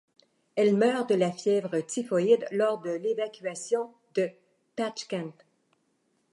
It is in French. Elle meurt de la fièvre typhoïde lors de l'évacuation de Tachkent.